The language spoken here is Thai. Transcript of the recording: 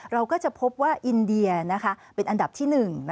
เราก็จะพบว่าอินเดียเป็นอันดับที่๑